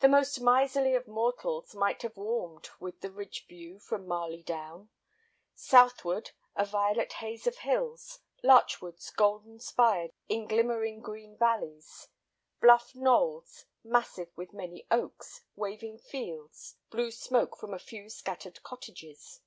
The most miserly of mortals might have warmed with the ridge view from Marley Down. Southward a violet haze of hills, larch woods golden spired in glimmering green valleys, bluff knolls massive with many oaks, waving fields, blue smoke from a few scattered cottages.